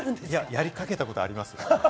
やりかけたことあります。